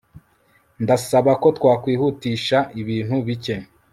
Ndasaba ko twakwihutisha ibintu bike